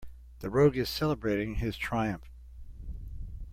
The rogue is celebrating his triumph.